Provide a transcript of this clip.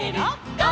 ゴー！」